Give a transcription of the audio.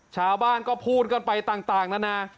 ชาวบ้านก็พูดกันไปต่างนานา